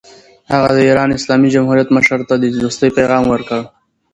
هغه د ایران اسلامي جمهوریت مشر ته د دوستۍ پیغام ورکړ.